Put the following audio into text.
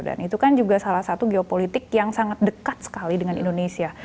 dan itu kan juga salah satu geopolitik yang sangat dekat sekali dengan indonesia